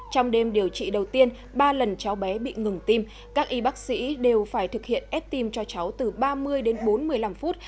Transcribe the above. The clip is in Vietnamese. trong đêm điều trị đầu tiên ba lần cháu bé bị ngừng tim các y bác sĩ đều phải thực hiện ép tim cho cháu từ ba mươi đến bốn mươi năm phút